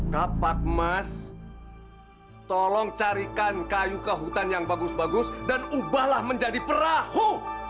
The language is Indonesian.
kapak emas tolong carikan kayu ke hutan yang bagus bagus dan ubahlah menjadi perahu